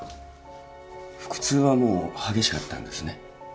腹痛はもう激しかったんですね。